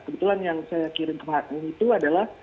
kebetulan yang saya kirim ke mbak itu adalah